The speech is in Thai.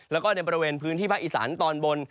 แล้วก็ในบริเวณพื้นที่ภาคอีสานตอนบน